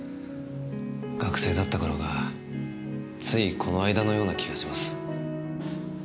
学生だったころがついこの間のような気がします。